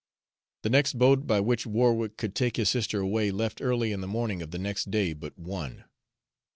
The next boat by which Warwick could take his sister away left early in the morning of the next day but one.